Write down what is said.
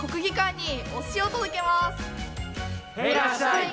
へいらっしゃい！